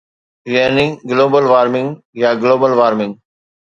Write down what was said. يعني global warming يا global warming